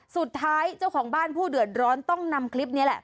สุดท้ายเจ้าของบ้านผู้เดือดร้อนต้องนำคลิปนี้แหละ